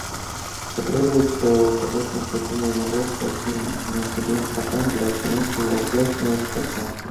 Потребуется указать необходимый набор всех необходимых программ для установки в облачное пространство